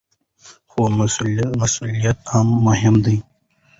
خو مسؤلیت مهم دی.